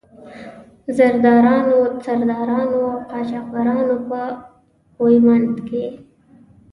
زردارانو، سردارانو او قاچاق برانو په غويمند کې.